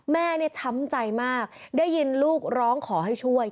แม่เนี่ยช้ำใจมากได้ยินลูกร้องขอให้ช่วย